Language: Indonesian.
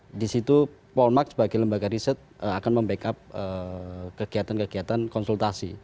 nah di situ polmark sebagai lembaga riset akan membackup kegiatan kegiatan konsultasi